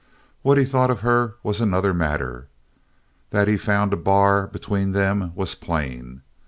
What he thought of her was another matter. That he found a bar between them was plain.